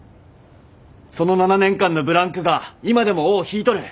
その７年間のブランクが今でも尾を引いとる。